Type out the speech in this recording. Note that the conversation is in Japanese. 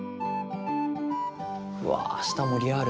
うわ舌もリアル。